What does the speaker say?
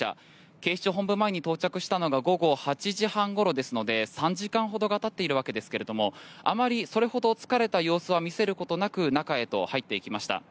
警視庁本部前に到着したのが午後８時半ごろですので３時間ほどたっているわけですけれどもあまりそれほど疲れた様子は見せることなく中へと入っていきました。